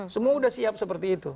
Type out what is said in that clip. semua sudah siap seperti itu